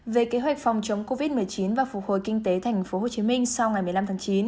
về kế hoạch phòng chống covid một mươi chín và phục hồi kinh tế thành phố hồ chí minh sau ngày một mươi năm tháng chín